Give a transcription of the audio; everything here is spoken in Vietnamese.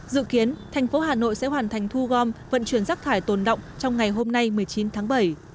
dự kiến thành phố hà nội sẽ hoàn thành thu gom vận chuyển rác thải tồn động trong ngày hôm nay một mươi chín tháng bảy